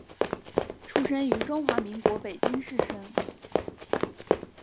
出生于中华民国北京市生。